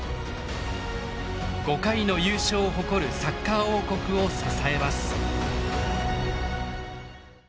５回の優勝を誇るサッカー王国を支えます。